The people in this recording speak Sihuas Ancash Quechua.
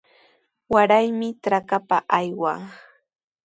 Waraymi trakapa aywaa.